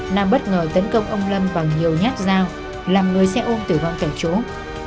nam bất ngờ tấn công ông lâm bằng nhiều nhát dao làm người xe ôm tử vong kẻ trốn